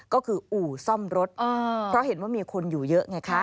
ก็คืออู่ซ่อมรถเพราะเห็นว่ามีคนอยู่เยอะไงคะ